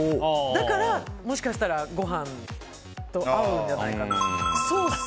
だから、もしかしたらご飯と合うんじゃないかと。